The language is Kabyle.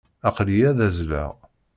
Aql-iyi ad azzleɣ.